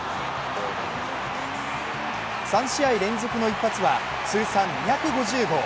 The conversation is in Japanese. ３試合連続の一発は通算２５０号。